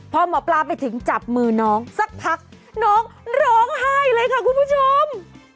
พอหมอปลาไปถึงจับมือน้องสักพักน้องร้องไห้เลยค่ะคุณผู้ชม